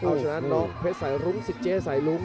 เอาฉะนั้นน้องเพชรสายรุ้มสิเจช์สายรุ้ม